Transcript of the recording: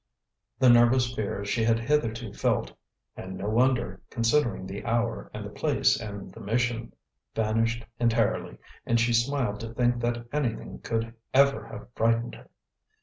The nervous fears she had hitherto felt and no wonder, considering the hour and the place and the mission vanished entirely, and she smiled to think that anything could ever have frightened her.